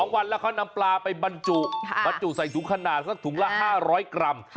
วันแล้วเขานำปลาไปบรรจุบรรจุใส่ถุงขนาดสักถุงละ๕๐๐กรัม